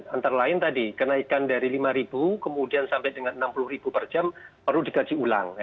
antara lain tadi kenaikan dari rp lima kemudian sampai dengan rp enam puluh per jam perlu dikaji ulang